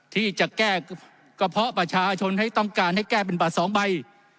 ที่จะแก้กระเพาะประชาชนให้ต้องการให้แก้เป็นบัตร๒ใบ